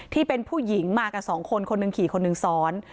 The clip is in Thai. ที่เป็นผู้หญิงมากับสองคนคนหนึ่งขี่คนหนึ่งซ้อน